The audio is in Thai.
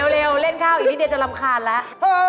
เล่นข้าวอีกนิดเดียวจะรำคาญแล้ว